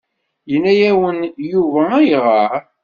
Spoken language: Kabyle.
Yenna-yawen Yuba ayɣer?